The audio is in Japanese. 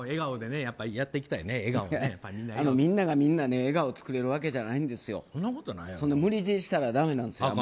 笑顔でみんながみんな笑顔を作れるわけじゃないんですよ。無理強いしてはだめなんですよ。